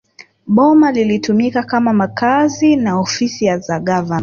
Boma lilitumika kama makazi na ofisi za gavana